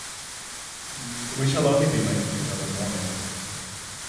We shall only be making each other more angry.